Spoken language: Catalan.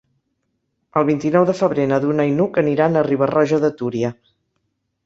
El vint-i-nou de febrer na Duna i n'Hug aniran a Riba-roja de Túria.